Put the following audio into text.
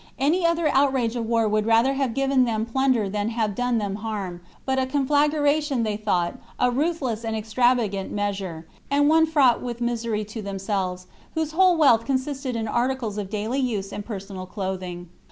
Any other outrage of war would rather have given them plunder than have done them harm, but a conflagration they thought a ruthless and extravagant measure, and one fraugjit with misery to themselves, whose whole wealth consisted in articles of daily use and personal clothing.